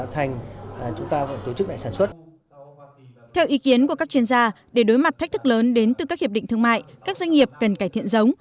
theo ý kiến của các chuyên gia để đối mặt thách thức lớn đến từ các hiệp định thương mại các doanh nghiệp cần cải thiện giống